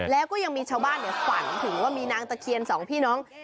แล้วก็ยังมีชาวบ้านฝันถึงว่ามีนางตะเคียนสองพี่น้อง